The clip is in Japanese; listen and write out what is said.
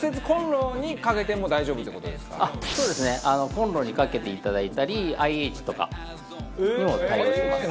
コンロにかけていただいたりＩＨとかにも対応してます。